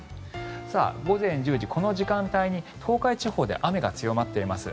午前１０時、この時間帯に東海地方で雨が強まっています。